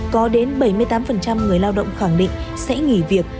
có đến bảy mươi tám người lao động khẳng định sẽ nghỉ việc